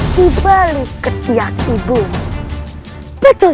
jangan terpaksa berpacung